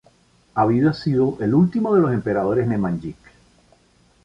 Había sido el último de los emperadores Nemanjić.